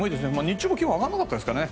日中も気温が上がらなかったですね。